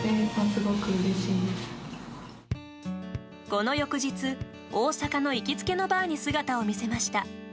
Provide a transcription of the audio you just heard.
この翌日、大阪の行きつけのバーに姿を見せました。